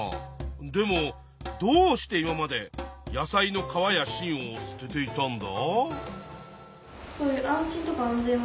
でもどうして今まで野菜の皮や芯を捨てていたんだ？